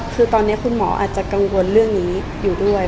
คือตอนนี้คุณหมออาจจะกังวลเรื่องนี้อยู่ด้วย